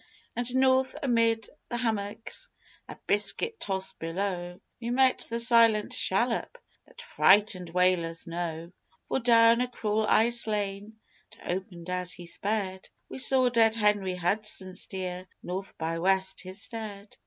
And north, amid the hummocks, A biscuit toss below, We met the silent shallop That frighted whalers know; For, down a cruel ice lane, That opened as he sped, We saw dead Henry Hudson Steer, North by West, his dead.